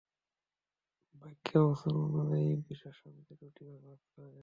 বাক্যে অবস্থান অনুযায়ী বিশেষণকে দুটি ভাগে ভাগ করা যায়।